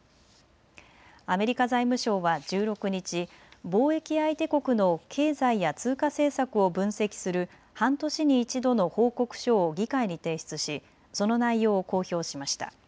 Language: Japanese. アメリカ財務省は１６日、貿易相手国の経済や通貨政策を分析する半年に一度の報告書を議会に提出しその内容を公表しました。